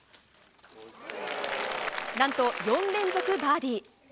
何と４連続バーディー。